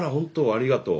ありがとう。